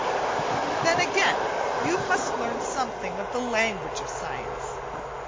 Then again, you must learn something of the language of science.